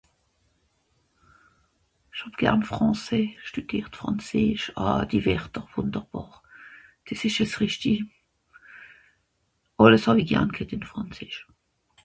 J'aime bien le français j ai étudié les mots. J'aimais tout dans le français